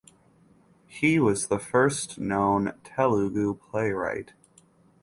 He was the first known Telugu playwright.